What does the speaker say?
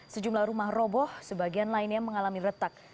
sejumlah rumah roboh sebagian lainnya mengalami retak